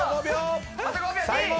最後！